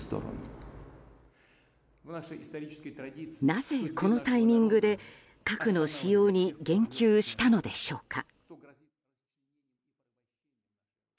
なぜ、このタイミングで核の使用に言及したのでしょうか。